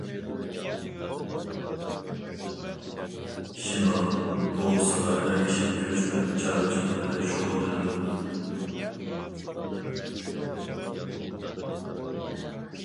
شىمال بۇغىسىغا ئەگىشىپ كۆچمەن چارۋىچىلىق بىلەن شۇغۇللىنىدۇ.